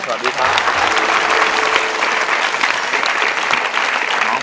สวัสดีครับ